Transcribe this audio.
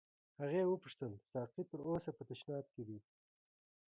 هغې وپوښتل ساقي تر اوسه په تشناب کې دی.